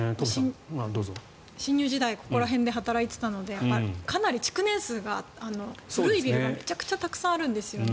新入時代ここら辺で働いていたのでかなり築年数が古いビルがめちゃくちゃたくさんあるんですよね。